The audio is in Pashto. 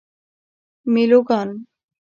میلوگان